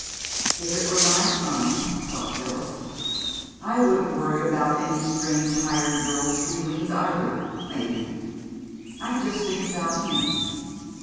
"If it were my son," thought Phyllis, "I wouldn't worry about any strange hired girl's feelings either, maybe. I'd just think about him....